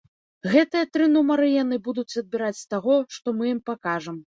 Гэтыя тры нумары яны будуць адбіраць з таго, што мы ім пакажам.